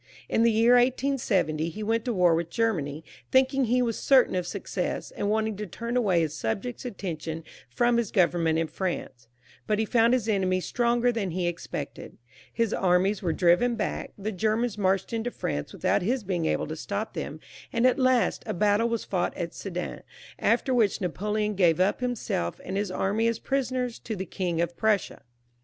In the year 1870 he went to war with Germany, thinking he was certain of success, and wanting to turn away his sub jects' attention from his government in France; but he found his enemies stronger than he expected. His armies were driven back, the Germans marched into France with out his being able to stop them, and at last a battle was fought at Sedan, after which Napoleon gave up himself Mid his anny as prisoners to the King of Prussia.